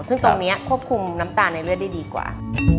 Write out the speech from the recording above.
ซึ่งตรงนี้ควบคุมน้ำตาลในเลือดได้ดีกว่า